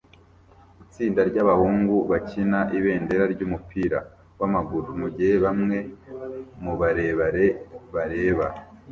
Itsinda ryabahungu bakina ibendera ryumupira wamaguru mugihe bamwe mubarebera bareba